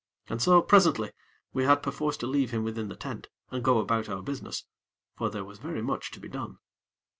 And so, presently, we had perforce to leave him within the tent, and go about our business; for there was very much to be done.